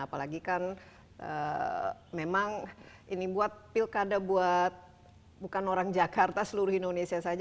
apalagi kan memang ini buat pilkada buat bukan orang jakarta seluruh indonesia saja